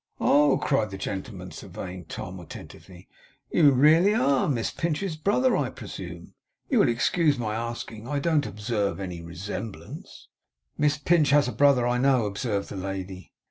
'Oh!' cried the gentleman, surveying Tom attentively. 'You really are Miss Pinch's brother, I presume? You will excuse my asking. I don't observe any resemblance.' 'Miss Pinch has a brother, I know,' observed the lady.